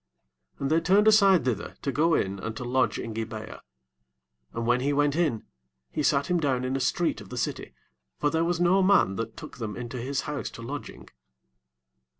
15 And they turned aside thither, to go in and to lodge in Gib'e ah: and when he went in, he sat him down in a street of the city: for there was no man that took them into his house to lodging.